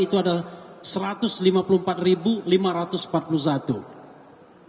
itu adalah satu ratus lima puluh empat ribuan kali